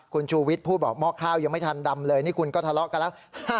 คุณชูวิทย์พูดบอกหม้อข้าวยังไม่ทันดำเลยนี่คุณก็ทะเลาะกันแล้ว